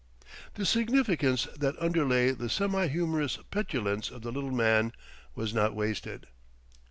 The significance that underlay the semi humourous petulance of the little man was not wasted.